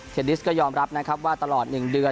ดิสก็ยอมรับนะครับว่าตลอด๑เดือน